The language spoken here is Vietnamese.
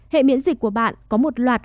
hệ miễn dịch của bạn có một loạt